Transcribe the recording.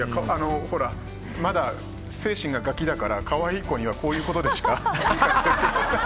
まだ精神がガキだから可愛い子にはこういうことでしか。